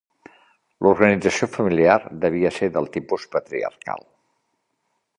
L'organització familiar devia ser del tipus patriarcal.